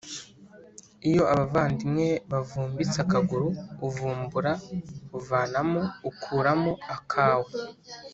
Iyo abavandimwe bavumbitse akaguru, uvumbura (uvanamo/ukuramo) akawe.